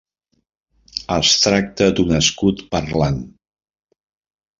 Es tracta d'un escut parlant.